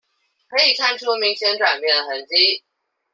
可以看出明顯轉變的痕跡